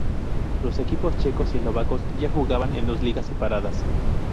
Los equipos checos y eslovacos ya jugaban en dos ligas separadas.